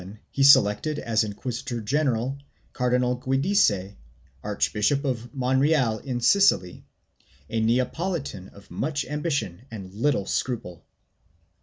In 1711 he selected as inquisitor general Cardinal Giudice, Archbishop of Monreal in Sicily, a Neapolitan of much ambition and little scruple.